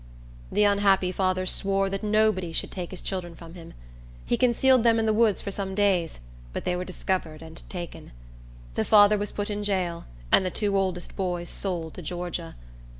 The unhappy father swore that nobody should take his children from him. He concealed them in the woods for some days; but they were discovered and taken. The father was put in jail, and the two oldest boys sold to Georgia.